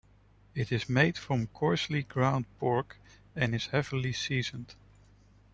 It is made from coarsely ground pork and is heavily seasoned.